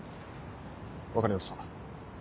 分かりました。